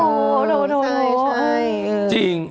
โทษจริง